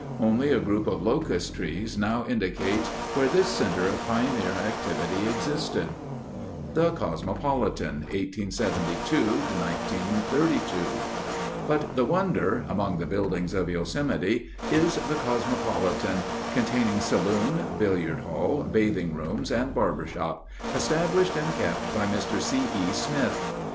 Only a group of locust trees now indicates where this center of pioneer activity existed. The Cosmopolitan, 1872 1932 But the wonder—among the buildings of Yosemite—is the "Cosmopolitan," containing saloon, billiard hall, bathing rooms, and barber shop, established and kept by Mr. C. E. Smith.